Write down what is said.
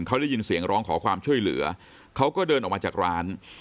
เขาได้ยินเสียงร้องขอความช่วยเหลือเขาก็เดินออกมาจากร้าน